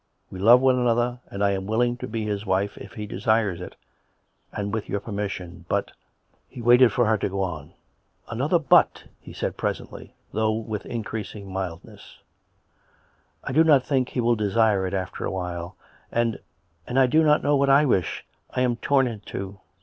We love one another, and I am willing to be his wife if he desires it — and with your permission. But " He waited for her to go on. " Another ' But '!" he said presently, though with in creasing mildness. " I do not think he will desire it after a while. And ... and I do not know what I wish. I am torn in two."